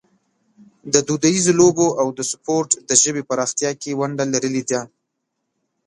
دودیزو لوبو او سپورټ د ژبې په پراختیا کې ونډه لرلې ده.